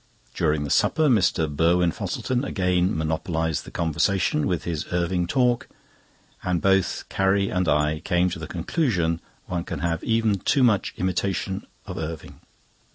During the supper Mr. Burwin Fosselton again monopolised the conversation with his Irving talk, and both Carrie and I came to the conclusion one can have even too much imitation of Irving.